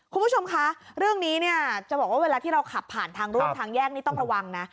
คุณผู้ชมคะเรื่องนี้เนี่ยจะบอกว่าเวลาที่เราขับผ่านทางร่วมทางแยกนี่ต้องระวังนะ